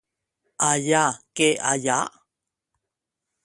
Allà que allà.